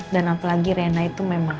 dan apalagi rena itu memang